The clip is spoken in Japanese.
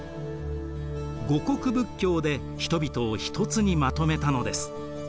護国仏教で人々をひとつにまとめたのです。